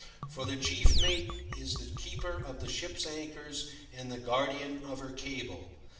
For the chief mate is the keeper of the ship's anchors and the guardian of her cable.